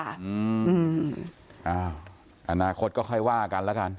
อืมอ้าวอนาคตก็ค่อยว่ากันละกัน